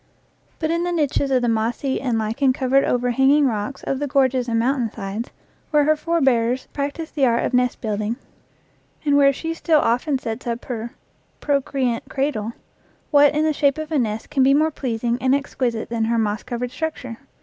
But in the niches of the mossy and lichen covered over hanging rocks of the gorges and mountain sides, where her forbears practiced the art of nest build ing, and where she still often sets up her "procre ant cradle," what in the shape of a nest can be more pleasing and exquisite than her moss covered structure?